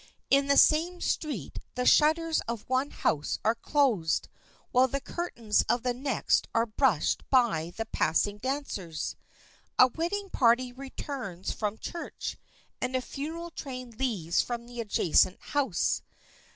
In the same street the shutters of one house are closed, while the curtains of the next are brushed by the passing dancers. A wedding party returns from church, and a funeral train leaves from the adjacent house.